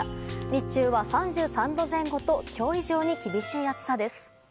日中は３３度前後と今日以上に厳しい暑さです。